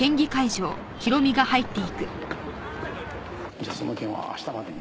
じゃあその件は明日までに。